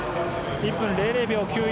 １分００秒９４。